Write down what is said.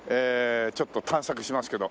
ちょっと探索しますけど。